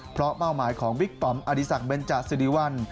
เพราะเป้าหมายของวิกปำอริสักเบนจะซิริวัล